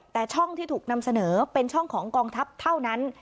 แต่ช่องที่ถูกนำเสนอเป็นช่องของกองทัพเท่านั้น